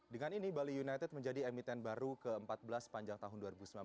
dengan ini bali united menjadi emiten baru ke empat belas sepanjang tahun dua ribu sembilan belas